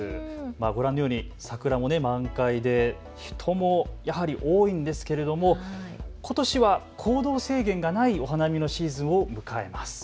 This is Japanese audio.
ご覧のように桜も満開で人もやはり多いんですけれどもことしは行動制限がないお花見のシーズンを迎えます。